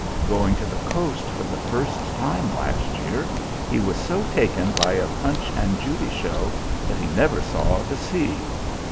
Going to the coast for the first time last year, he was so taken by a Punch and Judy show that he never saw the sea.